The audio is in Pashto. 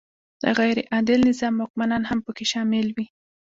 د غیر عادل نظام واکمنان هم پکې شامل وي.